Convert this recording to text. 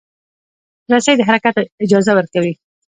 رسۍ د حرکت اجازه ورکوي.